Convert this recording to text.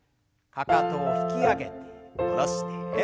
かかとを引き上げて下ろして。